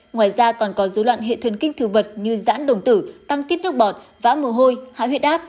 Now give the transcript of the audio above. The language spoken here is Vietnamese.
ngoài ra còn có dấu loạn hệ thân kinh thực vật như giãn đồng tử tăng tiết nước bọt vã mồ hôi hãi huyết áp